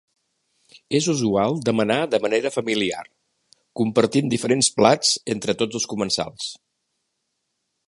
És usual demanar de manera familiar, compartint diferents plats entre tots els comensals.